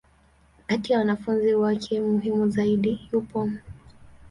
Kati ya wanafunzi wake muhimu zaidi, yupo Mt.